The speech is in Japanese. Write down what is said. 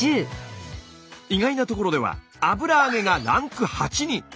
意外なところでは油揚げがランク８に。